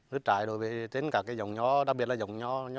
nứt trái đối với tên cả cái dòng nho đặc biệt là dòng nho đỏ